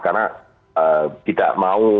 karena kita tidak mau